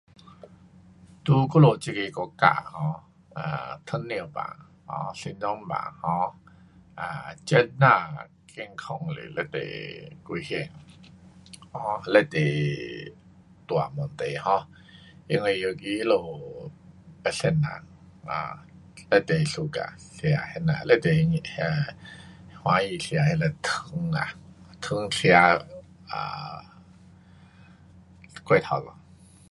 在我们这个国家 um 糖尿病 um 心脏病 um 啊，这呐健康是非常危险。um 非常大问题 um 因为尤其他们别色人，啊，非常 suka 吃那呐，非常欢喜吃那呐糖啊，糖吃 um 过头多。